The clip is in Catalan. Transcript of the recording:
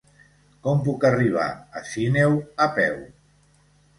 Com puc arribar a Sineu a peu?